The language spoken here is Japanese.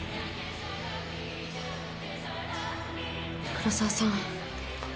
黒澤さん。